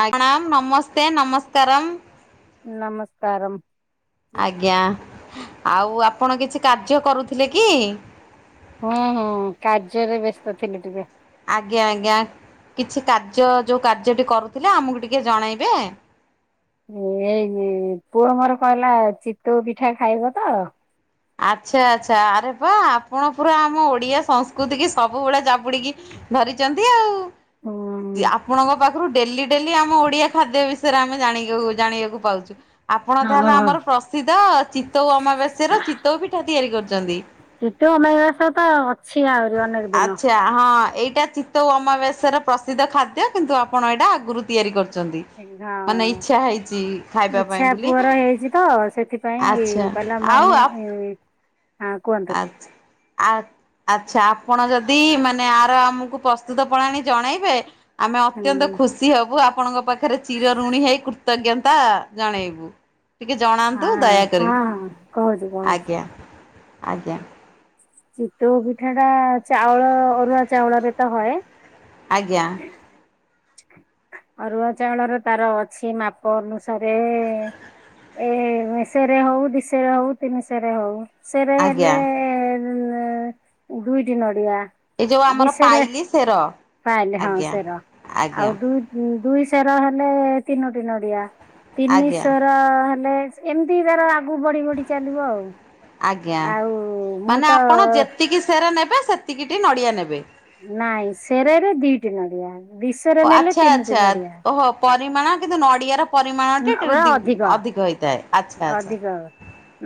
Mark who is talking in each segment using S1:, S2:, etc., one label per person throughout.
S1: ଆ ପ୍ରଣାମ୍ ନମସ୍ତେ ନମସ୍କାରମ୍।
S2: ନମସ୍କାରମ୍।
S1: ଆଜ୍ଞା ଆଉ ଆପଣ କିଛି କାର୍ଯ୍ୟ କରୁଥିଲେ କି?
S2: ହୁଁ ହୁଁ କାର୍ଯ୍ୟରେ ବ୍ୟସ୍ତ ଥିଲେ ଟିକେ।
S1: ଆଜ୍ଞା ଆଜ୍ଞା କିଛି କାର୍ଯ୍ୟ ଯଉ କାର୍ଯ୍ୟଟି କରୁଥିଲେ ଆମକୁ ଟିକେ ଜଣେଇବେ?
S2: ଏଇନି ପୁଅ ମୋର କହିଲା ଚିତୋଉ ପିଠା ଖାଇବ ତ।
S1: ଆଚ୍ଛା ଆଚ୍ଛା ଆରେ ପା ଆପଣ ପୁରା ଆମ ଓଡ଼ିଆ ସଂସ୍କୃତି କି ସବୁବେଳେ ଜାବୁଡ଼ିକି ଧରିଚନ୍ତି ଆଉ।
S2: ହୁଁ
S1: ଯେ ଆପଣଙ୍କ ପାଖରୁ ଡେଲି ଡେଲି ଆମ ଓଡିଆ ଖାଦ୍ୟ ବିଷୟରେ ଆମେ ଜାଣିକିକୁ [unintelligible] ଜାଣିବାକୁ ପାଉଛୁ ଆପଣ ତା
S2: ହଁ
S1: ହେଲେ
S2: ହଁ
S1: ଆମର ପ୍ରସିଦ୍ଧ ଚିତଉ ଅମାବେଶ୍ୟର ଚିତ୍ ଚିତୋଉ ପିଠା ତିଆରି କରୁଚନ୍ତି?
S2: ଚିତୋଉ ଅମାବାସ୍ୟା ତ ଅଛି ଆହୁରି ଅନେକ ଦିନ।
S1: ଆଚ୍ଛା ହଁ ଏଇଟା ଚିତ ତଉ ଅମାବାସ୍ୟାର ର ପ୍ରସିଦ୍ଧ ଖାଦ୍ୟ କିନ୍ତୁ ଆପଣ ଏଇଟା ଆଗରୁ ତିଆରି କରୁଛନ୍ତି। ମାନେ ଇଚ୍ଛା ହେଇଛି ଖାଇବା
S2: ହଁ
S1: ପାଇଁ
S2: ଇଛା
S1: ବୋଲି
S2: ପୁଅର ହେଇଛି ତ ସେଥିପାଇଁ
S1: ଆଚ୍ଛା
S2: କହିଲା ମମି ଇଇଇ
S1: ଆଛ ଆ ଆଚ୍ଛା ଆପଣ ଯଦି ମାନେ ଆର ଆମକୁ ପ୍ରସ୍ତୁତ ପ୍ରଣାଳି ଜଣେଇବେ ଆମେ
S2: ହଁ
S1: ଅତ୍ୟନ୍ତ ଖୁସି ହବୁ। ଆପଣଙ୍କ ପାଖରେ ଚିର ଋଣୀ ହେଇ କୃତଜ୍ଞତା ଜଣେଇବୁ। ଟିକେ ଜଣାନ୍ତୁ
S2: ହଁ
S1: ଦୟାକରି
S2: ହଁ କହୁଛି କହୁଛି।
S1: ଆଜ୍ଞା ଆଜ୍ଞା।
S2: ଚିତୋଉ ପିଠା ଟା ଚାଉଳ ଅରୁଆ ଚାଉଳରେ ତ ହଏ।
S1: ଆଜ୍ଞା।
S2: ହ [inaudible] ଅରୁଆ ଚାଉଳର ତାର ଅଛି ମାପ ଅନୁସାରେ ଏ ମେସେରେ ହଉ ଦିଶେରେ ହଉ ତିନିଶରେ ହଉ। ସେରେ ହେଲେ
S1: ଆଜ୍ଞା।
S2: ଦୁଇଟି ନଡିଆ।
S1: ଏଇ ଯୋଉ ଆମର
S2: ବିଷରେ
S1: ପାଇଲି ସେର
S2: ତାିଲଲେ ହଁ
S1: ଆଜ୍ଞା
S2: ସେରା [unintelligible] ଆଉ
S1: ଆଜ୍ଞା
S2: ଦୁଇ ଦୁଇ ସେର ହେଲେ ତିନୋଟି ନଡିଆ।
S1: ଆଜ୍ଞା
S2: ତିନିଶର ହେଲେ ଏମିତି ତାର ଆଗୁ ବଢ଼ି ବଢ଼ି ଚାଲିବ ଆଉ।
S1: ଆଜ୍ଞା
S2: ଆଉ ମୁଁ
S1: ମାନେ
S2: ତ
S1: ଆପଣ ଯେତିକି ସେର ନେବେ ସେତିକି ଟି ନଡ଼ିଆ ନେବେ।
S2: ନାଇଁ ସେରରେ ଦିଟି ନଡ଼ିଆ ଦି ସେରା
S1: ଓ
S2: ନେଲେ
S1: ଆଚ୍ଛା
S2: ତିନିଟି
S1: ଆଚ୍ଛା
S2: ନଡ଼ିଆ।
S1: ଓହୋ ପରିମାଣ କିନ୍ତୁ ନଡ଼ିଆର ପରିମାଣଟି ଟି ଦି ଅଧିକ ହୋଇଥାଏ।
S2: ଅଧିକ ହବ।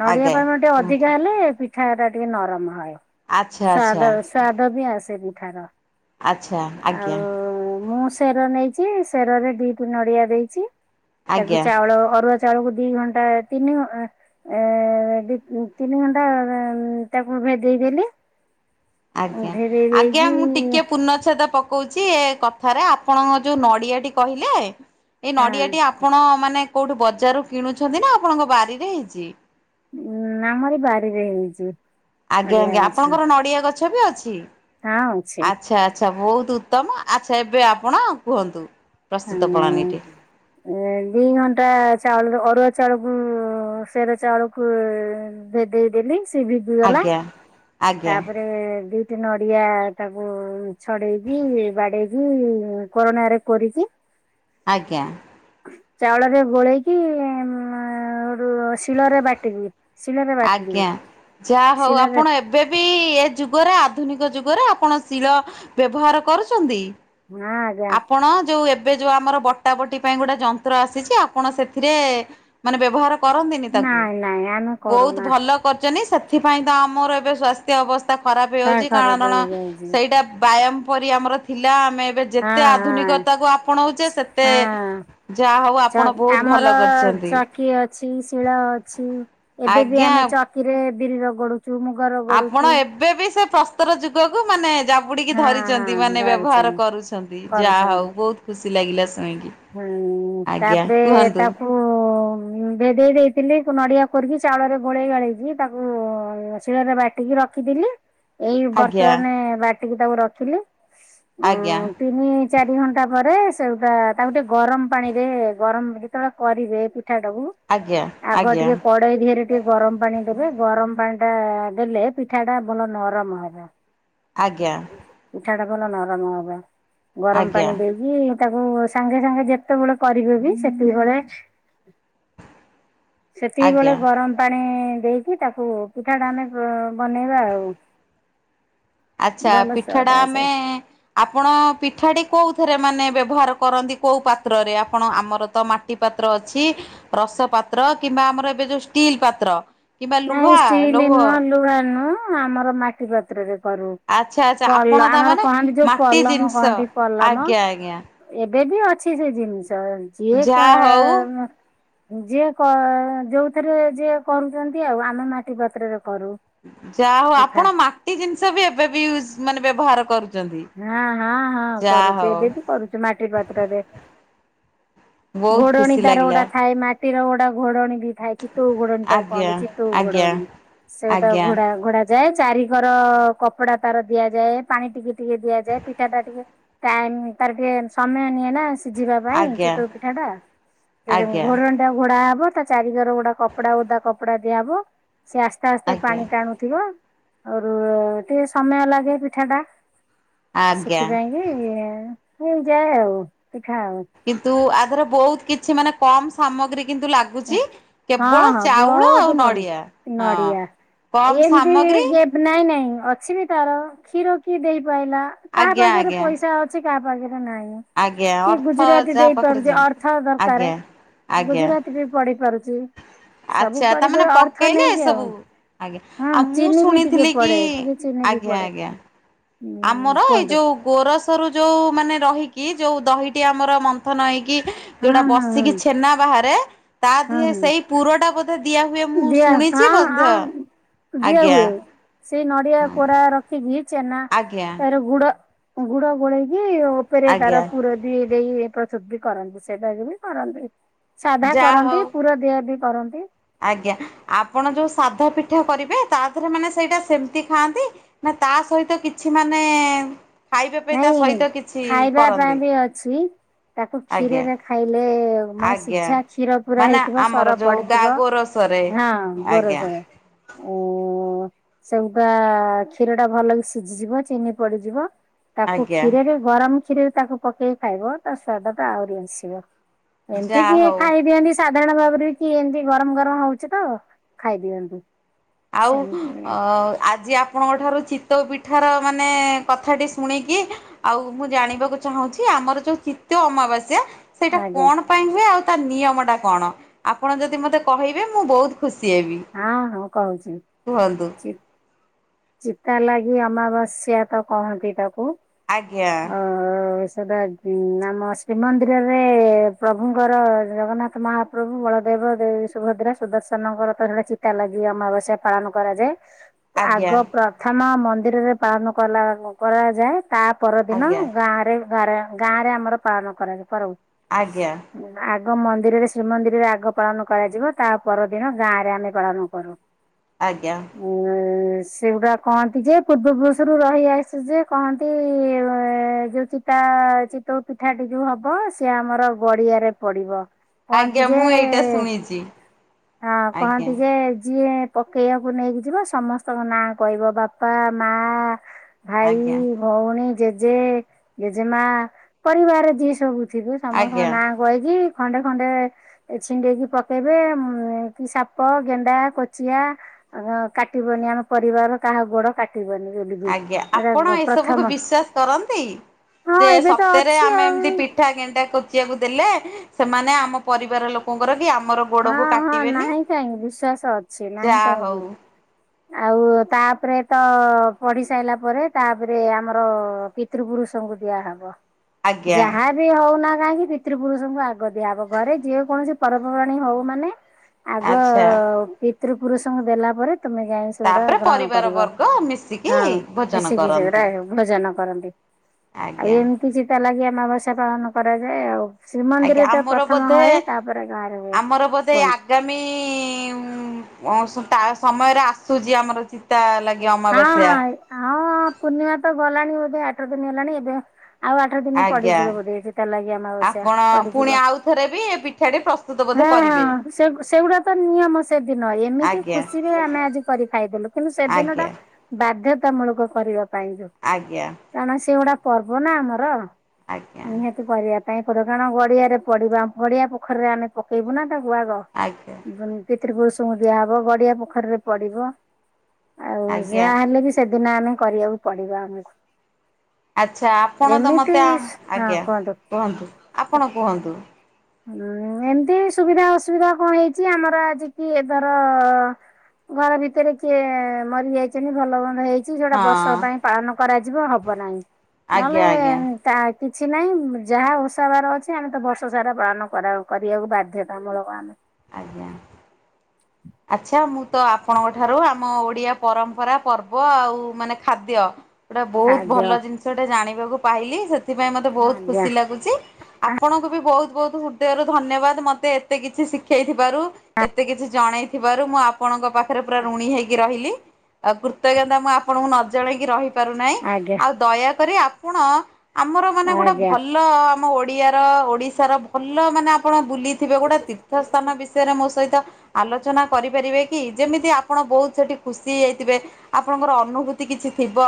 S2: ନଡ଼ିଆ ପାଗ ଟିକେ ଅଧିକା ହେଲେ ପିଠାଟା ଟିକେ ନରମ ହଏ।
S1: ଆଚ୍ଛା ଆଚ୍ଛା
S2: ସ୍ବାଦ ସ୍ବାଦ ବି ଆସେ ପିଠାର।
S1: ଆଚ୍ଛା ଆଜ୍ଞା
S2: ଆଉ ମୁଁ ସେର ନେଇଚି ସେରରେ ଦିଟି ନଡ଼ିଆ ଦେଇଚି। ତାକୁ
S1: ଆଜ୍ଞା।
S2: ଚାଉଳ ଅରୁଆ ଚାଉଳକୁ ଦି ଘ ଘଣ୍ଟା ତିନି ଘ ଏ ଦି ତିନି ଘଣ୍ଟା ତାକୁ ଭେଦେଇ ଦେଲି।
S1: ଆଜ୍ଞା
S2: ଭେଦେଇ
S1: ଆଜ୍ଞା
S2: ଦେଇକି
S1: ମୁଁ ଟିକେ ପୂର୍ଣଛେଦ ପ ପକୋଉଚି ଏ କଥାରେ ଆପଣଙ୍କ ଯୋଉ ନଡ଼ିଆଟି କହିଲେ। ଏଇ
S2: ହଁ
S1: ନଡ଼ିଆଟି ଆପଣ ମାନେ କୋଉଠୁ ବଜାରରୁ କିଣୁଛନ୍ତି ନାଁ। ଆପଣଙ୍କ ବାଡ଼ିରେ ହେଇଚି।
S2: ଉଁ ଆମରି ବାଡ଼ିରେ ହେଇଚି।
S1: ଆଜ୍ଞା ଆଜ୍ଞା ଆପଣଙ୍କର ନଡ଼ିଆ ଗଛ ବି ଅଛି।
S2: ହଁ ଅଛି
S1: ଆଚ୍ଛା। ଆଚ୍ଛା ବହୁତ ଉତ୍ତମ ଆଚ୍ଛା ଏବେ ଆପଣ କୁହନ୍ତୁ।
S2: ହଁ
S1: ପ୍ରସ୍ତୁତ ପ୍ରଣାଳୀଟି
S2: ଏ ଦି ଘଣ୍ଟା ଚାଉଳ ଅରୁଆ ଚାଉଳକୁ ସେର ଚାଉଳକୁ ଭେଦେଇ ଦେଲି ସେ ଭିଦିଗଲା।
S1: ଆଜ୍ଞା। ଆଜ୍ଞା
S2: ତାପରେ ଦି ଦୁଇଟି ନଡ଼ିଆ ତାକୁ ଛଡେଇକି ବାଡ଼େଇ କି କରୋନାରେ କୋରିକି।
S1: ଆଜ୍ଞା
S2: ଚାଉଳରେ ଗୋଳେଇକି ହେଠୁ ଶିଳରେ ବାଟିବି। ଶିଳରେ ବାଟିଲି
S1: ଆଜ୍ଞା ଯାହା ହଉ
S2: ଶିଳରେ
S1: ଆପଣ ଏବ୍ ଏବେ ବି ଏ ଯୁଗରେ ଆଧୁନିକ ଯୁଗରେ ଆପଣ ଶିଳ ବ୍ୟବହାର କରୁଚନ୍ତି।
S2: ହଁ ଆଜ୍ଞା।
S1: ଆପଣ ଯୋଉ ଏବେ ଯୋଉ ଆମର ବଟାବଟି ପାଇଁ ଗୋଟେ ଯନ୍ତ୍ର ଆସିଛି। ଆପଣ ସେଥିରେ ମାନେ ବ୍ୟବହାର କରନ୍ତିନି ତାକୁ।
S2: ନାଇଁ ନାଇଁ ଆଣୁ
S1: ବହୁତ ଭଲ କରିଚନ୍ତି। ସେଥିପାଇଁ ତ ଆମର ଏବେ ସ୍ୱାସ୍ ସ୍ୱାସ୍ଥ୍ୟ ଅବସ୍ଥା ଖରାପ
S2: କାହା
S1: ହେଇଯାଉଚି।
S2: ଖରାପ
S1: କାରଣ
S2: ହେଇଯାଉଛି
S1: ସେଇଟା ବ୍ୟାୟାମ ପରି ଆମର ଥିଲା। ଆମେ ଏବେ ଯେତେ
S2: ହଁ ହଁ
S1: ଆଧୁନିକତାକୁୁ ଆପଣଉଚେ ସେତେ
S2: ହଁ
S1: ଯାହା ହଉ ଆପଣ ବହୁତ ଭଲ କରିଚନ୍ତି।
S2: ଧିଙ୍କି ଅଛି ଶିଳ ଅଛି ଏବେ ବି
S1: ଆଜ୍ଞା।
S2: ଆମେ ଚକିରେ ବିରି ରଗଡୁଚୁ ମୁଗ ର
S1: ଆପଣ ଏବେ ବି ସେ ପ୍ରସ୍ତର ଯୁଗକୁ ମାନେ ଜା ଜାବୁଡ଼ି କି
S2: ହଁ
S1: ଧରିଚନ୍ତି
S2: ହଁ
S1: ମାନେ ବ୍ୟବହାର
S2: ଧରିଛନ୍ତି
S1: କରୁଛନ୍ତି। ଯାହା
S2: କରୁଛନ୍ତି
S1: ହଉ ବହୁତ ଖୁସି ଲାଗିଲା ଶୁଣିକି।
S2: ହୁଁ
S1: ଆଜ୍ଞା
S2: ତାପରେ
S1: କୁହନ୍ତୁ।
S2: ତାକୁ ହୁଁ ଭେଦେଇ ଦେଇଥିଲି ନଡ଼ିଆ କୋରିକି ଚାଉଳରେ ଗୋଳେଇ ଗାଳିକି ତାକୁ ଉଁ ଶିଳରେ ବାଟିକି ରଖ୍ ରଖିଥିଲି। ଏଇ
S1: ଆଜ୍ଞା
S2: ବର୍ତ୍ତମାନ ବାଟିକି ତାକୁ ରଖିଲି। ଉଁ
S1: ଆଜ୍ଞା
S2: ତିନି ଚାରି ଘଣ୍ଟା ପରେ ସେଗୁଡା ତାକୁ ଟିକେ ଗରମ ପାଣିରେ ଗରମ ଯେତେବେଳେ କରିବେ ପିଠାଟାକୁ
S1: ଆଜ୍ଞା
S2: ଆଗ
S1: ଆଜ୍ଞା
S2: ଟିକେ କ କଡ଼େଇ ଦିହରେ ଟିକେ ଗରମ ପାଣି ଦେବେ। ଗରମ ପାଣିଟା ଦେଲେ ପିଠାଟା ଭଲ ନରମ ହେବ।
S1: ଆଜ୍ଞା
S2: ପିଠାଟା ଭଲ ନରମ ହବ। ଗରମ
S1: ଆଜ୍ଞା
S2: ପାଣି ଦେଇ ଦେଇକି ତାକୁ ସାଙ୍ଗେ ସାଙ୍ଗେ ଯେତେବେଳେ କରିବେ ବି ସେତିକି ବେଳେ [inaudible] ସେତିକି
S1: ଆଜ୍ଞା
S2: ବେଳେ ଗରମ ପାଣି ଦେଇକି ତାକୁ ପିଠା ଟା ଆମେ ବନେଇବା ଆଉ।
S1: ଆଛା
S2: ଭଲ
S1: ପିଠ
S2: ସ୍ୱାଦ
S1: ଟା
S2: ଆସେ।
S1: ଆମେ ଆପଣ ପିଠାଟି କେଉଁଥିରେ ମାନେ ବ୍ୟବହାର କରନ୍ତି କୋଉ ପାତ୍ରରେ ଆପଣ? ଆମର ତ ମାଟି ମାଟି ପାତ୍ର ଅଛି ରସ ପାତ୍ର କିମ୍ବା ଆମର ଏବେ ଯୋଉ ଷ୍ଟିଲ ପାତ୍ର କିମ୍ବା
S2: ନାଇଁ
S1: ଲୁହା
S2: ଷ୍ଟିଲ
S1: ଲୌହ
S2: ନୁହଁ ଲୁହା ନୁହଁ ଆମର ମାଟି ପାତ୍ରରେ କରୁ।
S1: ଆଚ୍ଛା ଆଚ୍ଛା ଆପଣ
S2: ପଲ
S1: ତା
S2: ଆମର
S1: ମାନେ
S2: କହନ୍ତି ଯୋଉ
S1: ମାଟି
S2: ପଲମ
S1: ଜିନିଷ
S2: କହନ୍ତି ପଲମ
S1: ଆଜ୍ଞା ଆଜ୍ଞା
S2: ଏବେ ବି ଅଛି ସେ ଜିନିଷ ଯିଏ
S1: ଯାହା ହଉ
S2: କାର ମ ଯିଏ ଯୋଉଥିରେ ଯିଏ କରୁଛନ୍ତି ଆଉ ଆମେ ମାଟି ପାତ୍ରରେ କରୁ।
S1: ଯା ହଉ
S2: ପିଠା
S1: ଆପଣ ମାଟି ଜିନିଷ ବି ଏବେ ବି ୟୁଜ ମାନେ ବ୍ୟବହାର କରୁ।
S2: ହଁ ହଁ ହଁ କରୁଛି ଏବେ ବି କରୁଛି ମାଟି ପାତ୍ରରେ।
S1: ବହୁତ
S2: ଘୋଡ଼ଣୀ
S1: ଖୁସି
S2: ତାର
S1: ଲାଗିଲା
S2: ଗୋଟା ଥାଏ ମାଟିର ଗୋଡା ଘୋଡଣୀ ବି ଥାଏ। ଚିତଉ ଘୋଡ଼ଣୀ ତାକୁ
S1: ଆଜ୍ଞା
S2: କହନ୍ତି। ଚିତଉ
S1: ଆଜ୍ଞା
S2: ଘୋଡ଼ଣୀ ସେଇଟା
S1: ଆଜ୍ଞା
S2: ଘୋଡ଼ା ଘୋଡ଼ା ଯାଏ ଚାରିକର କପଡ଼ା ତାର ଦିଆଯାଏ ପାଣି ଟିକେ ଟିକେ ଦିଆଯାଏ ପିଠା ଟ ଟିକେ ଟାଇମ ତାର ଟିକେ ସମୟ ନିଏ ନା ସିଝିବା ପାଇଁ
S1: ଆଜ୍ଞା
S2: ଚିତୋଉପିଠା ଟା [unintelligible]
S1: ଆଜ୍ଞା
S2: ଘୋଡ଼ଣୀ ଘୋଡ଼ା ହବ ତା ଚାରିକରେ ଗୋଟେ କପଡ଼ା ଓଦା କପଡ଼ା ଦିଆହବ। ସେ ଆସ୍ତେ ଆସ୍ତେ
S1: ଆଜ୍ଞା
S2: ପାଣି ଟାଣୁ ଥିବ ଆ ଟିକେ ସମୟ ଲାଗେ ପିଠା ଟା
S1: ଆଜ୍ଞା
S2: ସେଥିପାଇଁ କି ମୁୁଁ ଯାଏ ଆଉ ତୁ ଥା।
S1: କିନ୍ତୁ ଆଧର ବହୁତ କିଛି ମାନେ କମ ସାମଗ୍ରୀ କିନ୍ତୁ ଲାଗୁ ଚି
S2: ହଁ
S1: କେବଳ
S2: ହଁ
S1: ଚାଉଳ
S2: ବହୁତ
S1: ଆଉ ନଡ଼ିଆର
S2: କମ
S1: ହଁ।
S2: ନଡିଆ
S1: କମ୍
S2: ଏମିତି
S1: ସାମଗ୍ରୀ
S2: ଗେପ ନାଇଁ ନାଇଁ ଅଛି ବି ତାର କ୍ଷୀର କି ଦେଇ ପାରଲା କାହା
S1: ଆଜ୍ଞା
S2: ପାଖରେ
S1: ଆଜ୍ଞା
S2: ପଇସା କିଛି କାହା ପାଖରେ ନାହିଁ
S1: ଆଜ୍ଞା
S2: କି
S1: ଅର୍ଥ
S2: ଗୁଜୁରାତି
S1: ଯାହା ପାଖରେ
S2: ଦେଇପାରୁଛି
S1: ଯେ
S2: ଅର୍ଥ ଦରକାର
S1: ଆଜ୍ଞା ଆଜ୍ଞା
S2: ଗୁଜୁରାତି ବି ପଢ଼ିପାରୁଛି।
S1: ଆଚ୍ଛା ତାମାନେ ପକେଇଲେ ଏ
S2: ଆଉ
S1: ସବୁ ଆଜ୍ଞା
S2: ହଁ
S1: ଆଉ ମୁଁ
S2: ଚିନି ବି ଟିକେ
S1: ଶୁଣିଥିଲି କି
S2: ପଡେ ଟିକେ ଚିନି ବି
S1: ଆଜ୍ଞା
S2: ପଡେ
S1: ଆଜ୍ଞା
S2: ହୁଁ
S1: ଆମର ଏଇ
S2: କୁହନ୍ତୁ
S1: ଯୋଉ ଗୋରସରୁ ଯୋଉ ମାନେ ରହିକି ଯୋଉ ଦହିଟି ଆମର ମନ୍ଥନ ହେଇକି
S2: ହଁ
S1: ଯୋଉଟା
S2: ହଁ ହଁ
S1: ବସିକି ଛେନା ବାହାରେ ତା
S2: ହଁ
S1: ଦେହରେ
S2: ହଁ
S1: ସେଇ ପୁରଟା ଦିଆ ହୁଏ ମୁଁ
S2: ଦିଆ
S1: ଶୁଣିଛି
S2: ହଁ ହଁ
S1: ବନ୍ଧ
S2: ଦିଆ
S1: ଆଜ୍ଞା
S2: ହୁଏ। ସେଇ ନଡ଼ିଆ କୋରା ରଖିଛି ଛେନା
S1: ଆଜ୍ଞା
S2: ରୁ ଗୁଡ଼ ଗୁଡ଼ ଗୋଳେଇକି ଆଉ ଉପରେ
S1: ଆଜ୍ଞା
S2: ତାର ପୁର ଦି ଦେଇ ପ୍ରସ୍ତୁତ ବି କରନ୍ତି ସେଟାକ ବି କରନ୍ତି। ସାଧା
S1: ଯାହା
S2: କରନ୍ତି
S1: ହଉ
S2: ପୁର ଦେହ ବି କରନ୍ତି।
S1: ଆଜ୍ଞା ଆପଣ ଯେଉ ସାଧା ପିଠା କରିବେ ତା ଦେହରେ ମାନେ ସେଇଟା ସିମତି ଖାଆନ୍ତି। ନା ତା ସହିତ କିଛି ମାନେ ଖାଇବା ପାଇଁ ତା
S2: ନାଇଁ
S1: ସହିତ କିଛି
S2: ଖାଇବା ପାଇଁ
S1: କରନ୍ତି
S2: ବି ଅଛି। ତାକୁ
S1: ଆଜ୍ଞା
S2: କ୍ଷୀରରେ ଖାଇଲେ ମାନେ
S1: ଆଜ୍ଞା
S2: ସିଝା କ୍ଷୀର ପୁରା
S1: ମାନେ
S2: ହେଇଥିବ
S1: ଆମର
S2: ସର
S1: ଯୋଉ ଗା
S2: ପଡ଼ିଥିବ।
S1: ଗୋରସରେ
S2: ହଁ
S1: ଆଜ୍ଞା
S2: ଗରେଛ ଓ ସେବୁଟା କ୍ଷୀର ଟା ଭଲ ସିଝିଯିବ ଚିନି ପଡ଼ିଯିବ ତାକୁ
S1: ଆଜ୍ଞା
S2: କ୍ଷୀରରେ ଗରମ କ୍ଷୀରରେ ତାକୁ ପକେଇକି ଖାଇବ ତା ସ୍ବାଦଟା ଆହୁରି ଆସିବ। ଏମିତି
S1: ଯାହା
S2: କି
S1: ହଉ
S2: ଖାଇଦିଅନ୍ତି ସାଧାରଣ ଭାବରେ କି ଏମତି ଗରମ ଗରମ ହଉଛି ତ ଖାଇଦିଅନ୍ତି।
S1: ଆଉ ଅ ଆଜି ଆ ଆପଣଙ୍କ ଠାରୁ ଚିତଉ ପିଠାର ମାନେ କଥାଟି ଶୁଣିକି ଆଉ ମୁଁ ଜାଣିବାକୁ ଚାହୁଁଛି ଆମର ଯୋଉ ଚିତ୍ତ ଅମାବାସ୍ୟା ସେଇଟା
S2: ଆଜ୍ଞା
S1: କଣ ପାଇଁ ହୁଏ ଆଉ ତାର ନିୟମ ଟା କଣ ଆପଣ ଯଦି ମତେ କହିବେ ମୁଁ ବହୁତ ଖୁସି ହେବି।
S2: ଆଁ ହଁ କହୁଚି।
S1: କୁହନ୍ତୁ?
S2: ଚିତା ଲାଗି ଅମାବାସ୍ୟା ତ କହନ୍ତି ତାକୁ।
S1: ଆଜ୍ଞା!
S2: ଓ ସେଟା ଉଁ ଆମ ଶ୍ରୀମନ୍ଦିରରେ ପ୍ରଭୁଙ୍କର ଜଗନ୍ନାଥ ମହା ପ୍ରଭୁ ବଳଦେବ ଦେବୀ ସୁଭଦ୍ରା, ସୁଦର୍ଶନଙ୍କର ତ ହେଳେ ଚିତା ଲାଗି ଅମାବାସ୍ୟା ପାଳନ କରାଯାଏ। ଆଗ
S1: ଆଜ୍ଞା
S2: ପ୍ରଥମ ମନ୍ଦିରରେ ପାଳନ କଲା କରାଯାଏ। ତା ପରଦିନ
S1: ଆଜ୍ଞା
S2: ଗାଁରେ ଗଁ ଗାଁରେ ଆମର ପାଳନ କରାଯାଏ କରହୁଏ।
S1: ଆଜ୍ଞା!
S2: ଆଗ ମନ୍ଦିରରେ ଶ୍ରୀମନ୍ଦିରରେ ଆଗ ପାଳନ କରାଯିବ। ତା ପରଦିନ ଗାଁରେ ଆମେ ପାଳନ କରୁ। ଁ [inaudible]
S1: ଆଜ୍ଞା।
S2: ଆ ସେଗୁଡା କହନ୍ତି ଯେ ପୂର୍ବପୁରୁଷରୁ ରହି ଆଇଚି ଯେ କହନ୍ତି ଯୋଉ ଚିତା ଚିତ୍ ତୋ ପିଠାଟି ଯୋଉ ହବ ସିଏ ଆମର ଗଡିଆରେ ପଡିବ। କହନ୍ତି
S1: ଆଜ୍ଞା
S2: ଯେ
S1: ମୁଁ ଏଇଟା ଶୁଣିଛି
S2: ହଁ
S1: ଆଜ୍ଞା
S2: କହନ୍ତି ଯେ ଯିଏ ପକେଇବାକୁ ନେଇକି ଯିବ ସମସ୍ତଙ୍କ ନାଁ କହିବ ବାପା, ମା,
S1: ଆଜ୍ଞା
S2: ଭାଇ ଭଉଣୀ, ଜେଜେ, ଜେଜେମା ପରିବାରରେ ଯିଏ ସବୁ ଥିବେ ସମସ୍ତଙ୍କ
S1: ଆଜ୍ଞା
S2: ନାଁ ବହିଜି ଖଣ୍ଡେ ଖଣ୍ଡେ ଏ ଛିଣ୍ଡେଇକି ପକେଇବେ ଉମ୍ ସାପ, ଗେଣ୍ଡା, କୋଚିଆ [unintelligible] କାଟିବନି ଆମ ପରିବାରର କାହା ଗୋଡ କାଟ୍
S1: ଆଜ୍ଞା! ଆପଣ ଏସବୁକୁ ବିଶ୍ଵାସ କରନ୍ତି।
S2: ହଁ
S1: ଯେ
S2: ଏବେ ତ
S1: ସତରେ
S2: ଅଛି
S1: ଆମେ
S2: ଆଉ
S1: ଏମ୍ତି ପି ଠା ଗେଣ୍ଡା, କୋଚିଆକୁ ଦେଲେ। ସେମାନେ ଆମ ପରିବାର ଲୋକଙ୍କର କି ଆମର ଗୋଡ଼କୁ
S2: ହଁ ହଁ
S1: କାଟିବେନି
S2: ନାହିଁ କାହିଁକି ବିଶ୍ଵାସ ଅଛି ନାହିଁ
S1: ଯାହା
S2: କାହିଁକି
S1: ହଉ।
S2: ଆଉ ତ ତାପରେ ତ ପଢ଼ି ସାଇଲା ପରେ ତାପରେ ଆମର ପିତୃପୁରୁଷଙ୍କୁ ଦିଆହ ବ।
S1: ଆଜ୍ଞା।
S2: ଯାହା ବି ହଉନା କାହିଁକି ପିତୃ ପୁରୁଷଙ୍କୁ ଆଗ ଦିଆହବ ଘରେ ଯେକୌଣସି ପର୍ବପର୍ବାଣି ହଉ ମାନେ ଆଗ
S1: ଆଚ୍ଛା
S2: ପିତୃପୁରୁଷଙ୍କୁ ଦେଲା ପରେ ତୁମେ ଯାଇ ଚୁଡା
S1: ତାପରେ
S2: ଗ୍ରହଣ
S1: ପରିବାର
S2: କରିବ
S1: ବର୍ଗ ମିଶିକି
S2: ହଁ
S1: ଭୋଜନ
S2: ମିସିକି ସେଗୁଡା
S1: କରନ୍ତି।
S2: ହଉ ଭୋଜନ କରନ୍ତି। ଆଉ
S1: ଆଜ୍ଞା
S2: ଏମିତି ଚିତା ଲାଗି ଅମାବାସ୍ୟା ପାଳନ କରାଯାଏ ଆଉ।
S1: ଆଜ୍ଞା
S2: ଶ୍ରୀମନ୍ଦିରରେ ତ
S1: ଆମର
S2: ପ୍ରଥମ
S1: ବୋଧେ
S2: ହଏ ତାପରେ ଗାଁରେ ହୁଏ
S1: ଆମର ବୋଧେ
S2: କୁହନ୍ତି।
S1: ଆଗାମୀ ଉଁ [unintelligible] ତା ସମୟରେ ଆସୁଚି ଆମର ଚିତ୍ ତା ଲାଗି
S2: ହଁ
S1: ଅମାବାସ୍ୟା।
S2: ହଁ ହଁ ପୂର୍ଣ୍ଣିମା ତ ଗଲାଣି ବୋଧେ ଆଠ ଦିନି ହେଲାଣି ଏବେ ଆଉ ଆଠ ଦିନି
S1: ଆଜ୍ଞା।
S2: ପଡିଯିବ ବୋଧେ ଚିତା ଲାଗି ଅମାବାସ୍ୟା
S1: ଆପଣ ପୁଣି
S2: ପଡିଯିବ।
S1: ଆଉ ଥରେ [unintelligible] ପ୍ରସ୍ତୁତ ବୋଧେ
S2: ହଁ
S1: କରିବେ।
S2: ହଁ ସେଗ୍ ସେଗୁଡା ତ ନିୟମ ସେଦିନ ଏମିତି
S1: ଆଜ୍ଞା
S2: ଖୁସିରେ ଆମେ ଆଜି କରି ଖାଇଦେଲୁ କିନ୍ତୁ
S1: ଆଜ୍ଞା
S2: ସେଦିନଟା ବାଧ୍ୟତାମୂଳକ କରିବା ପାଇଁ ଯୋଉ
S1: ଆଜ୍ଞା।
S2: କାରଣ ସେଗୁଡା ପର୍ବ ନା ଆମର
S1: ଆଜ୍ଞା
S2: [unintelligible] [unintelligible] କରିବା ପାଇଁ ପଡିବ କାରଣ ଗଡିଆରେ ପଡିବା ଗଡିଆ ପୋଖରରେ ଆମେ ପକେଇବୁ ନା ତାକୁ ଆଗ।
S1: ଆଜ୍ଞା!
S2: ପିତୃପୁରୁଷଙ୍କୁ ଦିଆହବ ଗଡିଆ ପୋଖରୀରେ ପଡିବ ଆଉ
S1: ଆଜ୍ଞା
S2: ଯାହା ହେଲେ ବି ସେଦିନ ଆମେ କରିବାକୁ ପଡ଼ିବ।
S1: ଆଚ୍ଛା ଆପଣ ତ ମତେ ଆ
S2: ହଁ
S1: ଆଜ୍ଞା
S2: କୁହନ୍ତୁ।
S1: କୁହନ୍ତୁ ଆପଣ କୁହନ୍ତୁ।
S2: ହୁଁ ଏମିତି ସୁବିଧା ଅସୁବିଧା କଣ ହେଇଚି ଆମର ଆଜି କିଏ ଧର ଘର ଭିତରେ କିଏ ମରିଯାଇ [unintelligible] ଭଲ ମନ୍ଦ ହେଇଚି ଯୋଉଟା
S1: ହଁ
S2: ବର୍ଷକ ପାଇଁ ପାଳନ କରାଯିବ ହବ ନାହିଁ
S1: ଆଜ୍ଞା ଆଜ୍ଞା
S2: ନହେଲେ ତା କିଛି ନାହିଁ ଯାହା ଓଷା ବାର ଅଛି ଆମେ ତ ବର୍ଷ ସାରା ପାଳନ କରିବାକୁ ବାଧ୍ୟତାମୂଳକ ଆମେ।
S1: ଆଜ୍ଞା।
S2: ହୁଁ
S1: ଆଚ୍ଛା ମୁଁ ତ ଆପଣଙ୍କ ଠାରୁ ଆମ ଓଡ଼ିଆ, ପରମ୍ପରା, ପର୍ବ ଆଉ ମାନେ ଖାଦ୍ୟ ଗୋଟେ ବହୁତ୍
S2: ଖାଦ୍ୟ
S1: ଭଲ ଜିନିଷ ଟେ ଜାଣିବାକୁ ପାଇଲି ସେଥିପାଇଁ ମତେ ବହୁତ୍
S2: ଆଜ୍ଞା
S1: ଖୁସି ଲାଗୁଚି। ଆପଣଙ୍କୁ ବି ବହୁତ୍ ବହୁତ୍ ହୃଦୟରୁ ଧନ୍ୟବାଦ ମତେ ଏତେ କିଛି ଶିଖି ଶିଖେଇଥିବାରୁ ଏତେ କିଛି ଜଣେଇଥିବାରୁ ମୁଁ ଆପଣଙ୍କ ପାଖରେ ପୁରା ଋଣୀ ହେଇକି ରହିଲି। ଆଉ କୃତଜ୍ଞତା ମୁଁ ଆପଣଙ୍କୁ ନ ଜଣେଇକି ରହିପାରୁନାହିଁ
S2: ଆଜ୍ଞା
S1: ଆଉ ଦୟାକରି ଆପଣ ଆମର ମାନେ ଗୋଟେ
S2: ଆଜ୍ଞା
S1: ଭଲ ଆମ ଓଡି଼ଆର ଓଡ଼ିଶାର ଭଲ ମାନେ ଆପଣ ବୁଲି ଥିବେ ଗୋଟେ ତୀର୍ଥ ସ୍ଥାନ ବିଷୟରେ ମୋ ସହିତ ଆଲୋଚନା କରିପାରିବେ କି ଯେମିତି ଆପଣ ବହୁତ୍ ସେଠି ଖୁସି ହେଇଯାଇଥିବେ। ଆପଣଙ୍କର ଅନୁଭୂତି କିଛି ଥିବ।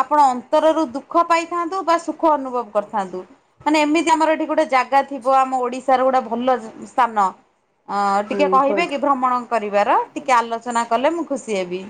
S1: ଆପଣ ଅନ୍ତରରୁ ଦୁଃଖ ପାଇଥାନ୍ତୁ ବା ସୁଖ ଅନୁଭବ କରିଥାନ୍ତୁ। ମାନେ ଏମିତି ଆମର ଏଠି ଗୋଟେ ଜାଗା ଥିବ ଆମ ଓଡ଼ିଶା ର ଗୋଟେ ଭଲ ସ୍ଥାନ। ଅ ଟିକେ
S2: ହୁଁ
S1: କହିବେ
S2: କୁହନ୍ତୁ।
S1: କି ଭ୍ରମଣ କରିବାର ଟିକେ ଆଲୋଚନା କଲେ ମୁଁ ଖୁସି ହେବି।